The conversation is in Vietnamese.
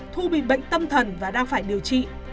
thu bị bệnh tâm thần và đang phải điều trị